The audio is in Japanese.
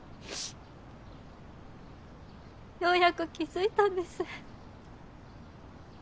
ようやく気付いたんです。